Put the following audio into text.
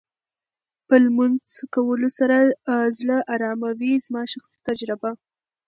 په لمونځ کولو سره زړه ارامه وې زما شخصي تجربه.